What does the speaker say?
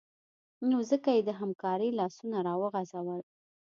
نو ځکه یې د همکارۍ لاسونه راوغځول